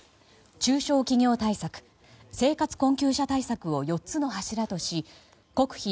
中小企業対策生活困窮者対策を４つの柱とし国費